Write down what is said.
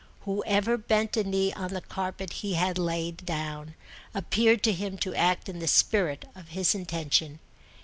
Whoever bent a knee on the carpet he had laid down appeared to him to act in the spirit of his intention.